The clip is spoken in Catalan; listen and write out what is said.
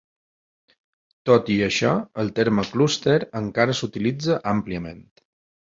Tot i això, el terme clúster encara s'utilitza àmpliament.